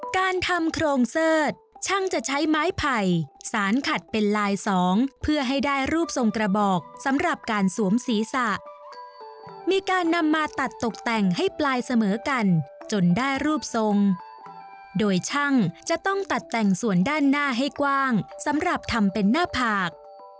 การทำโครงเสิร์ชช่างจะใช้ไม้ไผ่สารขัดเป็นลายสองเพื่อให้ได้รูปทรงกระบอกสำหรับการสวมศีรษะมีการนำมาตัดตกแต่งให้ปลายเสมอกันจนได้รูปทรงโดยช่างจะต้องตัดแต่งส่วนด้านหน้าให้กว้างสำหรับทำเป็นหน้าผาก